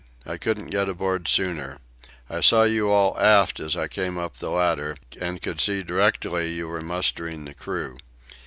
I couldn't get aboard sooner. I saw you all aft as I came up the ladder, and could see directly you were mustering the crew.